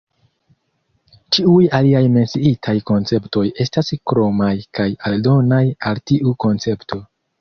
Ĉiuj aliaj menciitaj konceptoj estas kromaj kaj aldonaj al tiu koncepto.